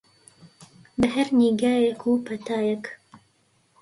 بە هەر نیگایەک و پەتایەکە